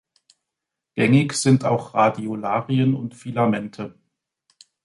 Gängig sind auch Radiolarien und Filamente.